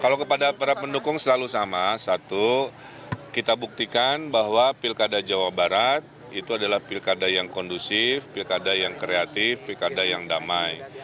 kalau kepada para pendukung selalu sama satu kita buktikan bahwa pilkada jawa barat itu adalah pilkada yang kondusif pilkada yang kreatif pilkada yang damai